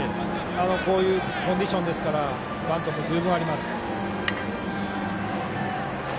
こういうコンディションですからバントも十分あります。